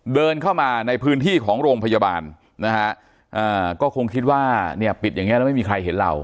เดินเข้ามาในพื้นที่ของโรงพยาบาลนะฮะก็คงคิดว่าเนี่ยปิดอย่างเงี้แล้วไม่มีใครเห็นเรา